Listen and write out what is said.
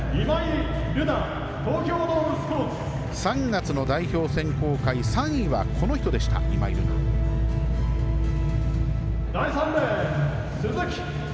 ３月の代表選考会３位は、この人でした、今井月。